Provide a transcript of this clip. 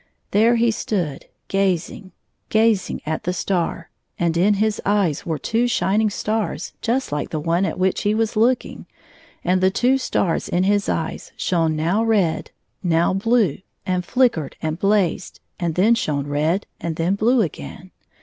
There he stood gazing, gazing at the star, and in his eyes were two shining stars just like the one at which he was looking, and the two stars in his eyes shone now red, now blue, and flickered and blazed, and then shone red, and then blue again.